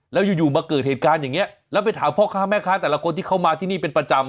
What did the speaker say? แล้วอยู่มาเกิดเหตุการณ์อย่างนี้แล้วไปถามพ่อค้าแม่ค้าแต่ละคนที่เข้ามาที่นี่เป็นประจำ